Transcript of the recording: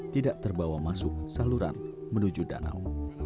tidak terbawa masuk saluran menuju danau